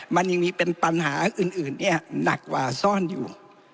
มันยังมีเป็นปัญหาอื่นเนี่ยหนักกว่าซ่อนอยู่